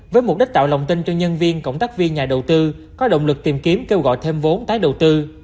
với mục đích tạo lòng tin cho nhân viên cộng tác viên nhà đầu tư có động lực tìm kiếm kêu gọi thêm vốn tái đầu tư